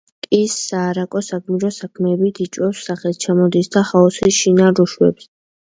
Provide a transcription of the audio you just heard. იქ საარაკო საგმირო საქმეებით იხვეჭს სახელს, ჩამოდის და ჰაოსი შინ არ უშვებს.